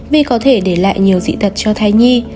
vì có thể để lại nhiều dị tật cho thai nhi